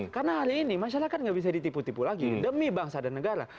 karena hari ini masyarakat nggak bisa ditipu tipu lagi demi bangsa dan negara